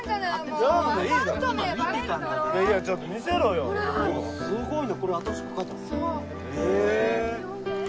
すっごいな！